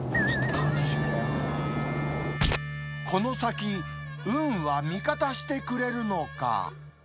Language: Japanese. この先、運は味方してくれるのか。